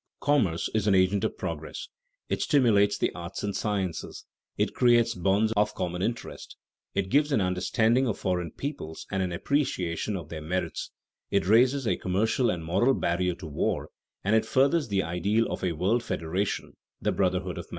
Commerce is an agent of progress; it stimulates the arts and sciences; it creates bonds of common interest; it gives an understanding of foreign peoples and an appreciation of their merits; it raises a commercial and moral barrier to war; and it furthers the ideal of a world federation, the brotherhood of man.